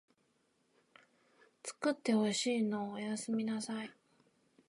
つくってほしいのおやすみなさい